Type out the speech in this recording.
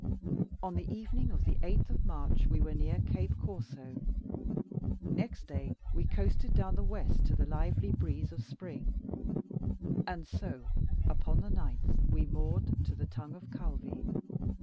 On the evening of the 8th of March, we were near Cape Corso; next day we coasted down the west to the lively breeze of spring, and so upon the 9th we moored to the tongue of Calvi.